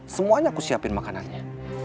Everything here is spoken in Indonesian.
semuanya aku siapin makanannya